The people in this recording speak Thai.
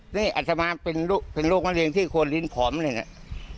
นี่อัตมาเป็นโรคมะเร็งที่ควรลิ้นผอมเลยเนี่ย